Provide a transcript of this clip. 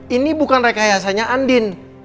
ini bukan rekayasanya andin